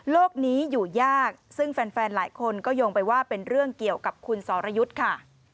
นี้อยู่ยากซึ่งแฟนหลายคนก็โยงไปว่าเป็นเรื่องเกี่ยวกับคุณสรยุทธ์ค่ะ